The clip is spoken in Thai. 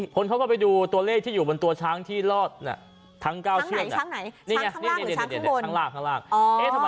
พวงเขาก็ไปดูตัวเลขที่อยู่บนตัวช้างที่รอดทั้ง๙เชื่อม